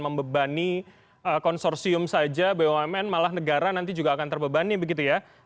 membebani konsorsium saja bumn malah negara nanti juga akan terbebani begitu ya